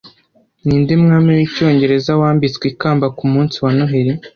Ninde mwami wicyongereza wambitswe ikamba kumunsi wa Noheri